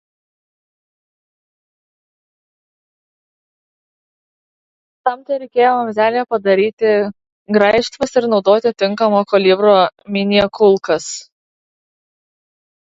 Tam tereikėjo vamzdyje padaryti graižtvas ir naudoti tinkamo kalibro Minjė kulkas.